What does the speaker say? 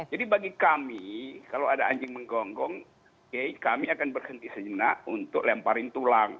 jadi bagi kami kalau ada anjing menggonggong kami akan berhenti senyum nak untuk lemparin tulang